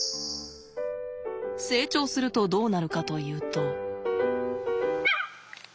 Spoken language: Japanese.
成長するとどうなるかというと。